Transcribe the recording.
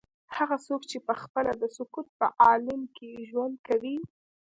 هغه څوک چې پخپله د سکوت په عالم کې ژوند کوي.